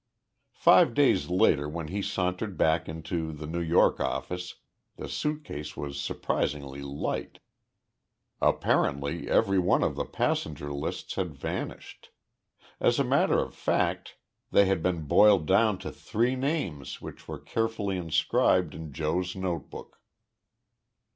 Five days later when he sauntered back into the New York office the suit case was surprisingly light. Apparently every one of the passenger lists had vanished. As a matter of fact, they had been boiled down to three names which were carefully inscribed in Joe's notebook.